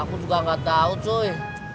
aku juga gak tau cuy